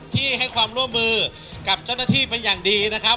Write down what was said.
ที่ให้ความร่วมมือกับเจ้าหน้าที่เป็นอย่างดีนะครับ